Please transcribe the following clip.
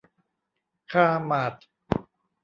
คาร์มาร์ท